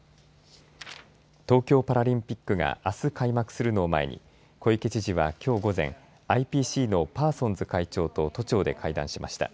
東京パラリンピックがあす開幕するのを前に小池知事はきょう午前ＩＰＣのパーソンズ会長と都庁で会談しました。